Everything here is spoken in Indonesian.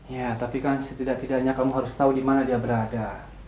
ya tapi kan setidak tidaknya kamu harus tahu di mana dia berada